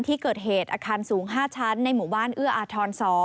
ที่เกิดเหตุอาคารสูง๕ชั้นในหมู่บ้านเอื้ออาทร๒